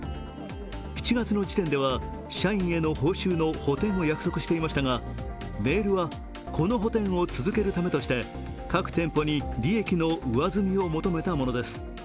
７月の時点では社員への報酬の補填を約束していましたが、メールはこの補填を続けるためとして各店舗に利益の上積みを求めたものです。